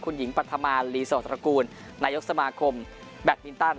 คุณหญิงปัทธามารหลีสวทรกูลนายกสมาคมแบทมินตัน